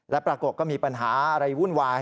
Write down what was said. และปรากฏก็มีปัญหาอะไรวุ่นวาย